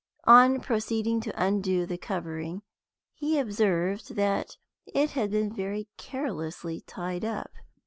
On proceeding to undo the covering, he observed that it had been very carelessly tied up.